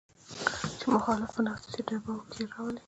چې مخالف پۀ نفسياتي دباو کښې راولي